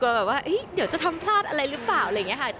แบบว่าเดี๋ยวจะทำพลาดอะไรหรือเปล่าอะไรอย่างนี้ค่ะ